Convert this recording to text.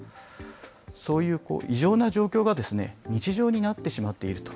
そういう異常な状況が日常になってしまっていると。